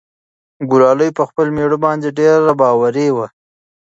ګلالۍ په خپل مېړه باندې ډېر باوري وه.